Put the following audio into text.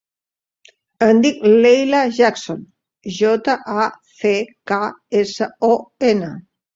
Em dic Leila Jackson: jota, a, ce, ca, essa, o, ena.